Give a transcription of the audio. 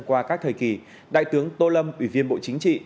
qua các thời kỳ đại tướng tô lâm ủy viên bộ chính trị